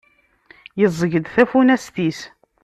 Yeẓẓeg-d tafunast-is.